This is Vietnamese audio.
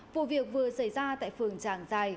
vụ việc vừa xảy ra tại phường tràng giài